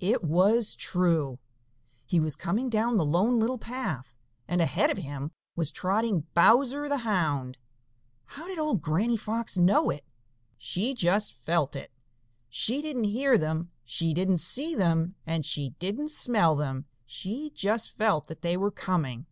It was true. He was coming down the Lone Little Path, and ahead of him was trotting Bowser the Hound. How did old Granny Fox know it? She just felt it! She didn't hear them, she didn't see them, and she didn't smell them; she just felt that they were coming.